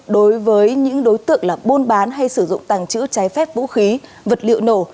đối với những đối tượng là buôn bán hay sử dụng tàng trữ trái phép vũ khí vật liệu nổ